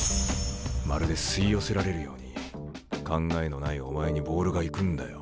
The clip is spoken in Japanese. まるで吸い寄せられるように考えのないお前にボールが行くんだよ。